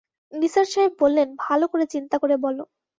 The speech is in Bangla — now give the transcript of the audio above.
নিসার সাহেব বললেন, ভালো করে চিন্তা করে বল!